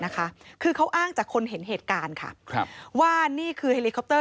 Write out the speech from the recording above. นะคะคือเขาอ้างจากคนเห็นเหตุการณ์ว่านี่คือ